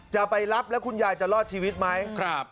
จะไปรับแล้วคุณยายจะรอดชีวิตไหม